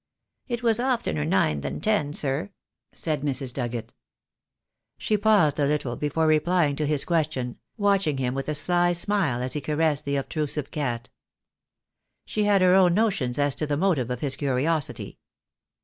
"It was oftener nine than ten, sir," said Mrs. Dugget. She paused a little before replying to his question, watching him with a sly smile as he caressed the ob trusive cat. She had her own notions as to the motive of his curiosity.